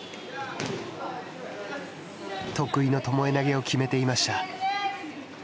得意の巴投げを決めていました。